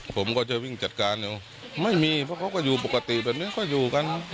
ผมก็จะวิ่งจัดการอยู่ไม่มีเพราะเขาก็อยู่ปกติแบบนี้ก็อยู่กัน